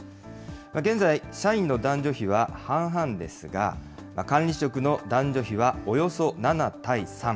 現在、社員の男女比は半々ですが、管理職の男女比はおよそ７対３。